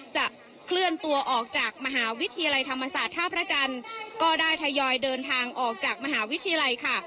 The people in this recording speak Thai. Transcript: จะเคลื่อนตัวออกจากมหาวิทยาลัยธรรมศาสตร์ท่าพระจันทร์ก็ได้ทยอยเดินทางออกจากมหาวิทยาลัยค่ะ